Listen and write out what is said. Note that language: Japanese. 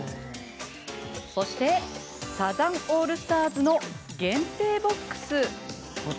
そして、サザンオールスターズの限定ボックス。